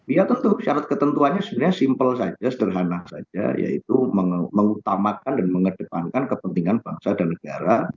ya tentu syarat ketentuannya sebenarnya simpel saja sederhana saja yaitu mengutamakan dan mengedepankan kepentingan bangsa dan negara